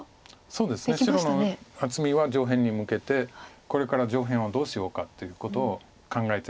そうですね白の厚みは上辺に向けてこれから上辺をどうしようかっていうことを考えてるはずです。